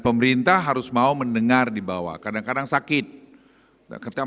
pemerintah harus mau mendengar dibawah kadang kadang sakit ketika